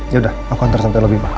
ya udah aku ntar sampai lebih pak